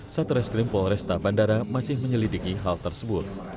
satreskrim polresta bandara masih menyelidiki hal tersebut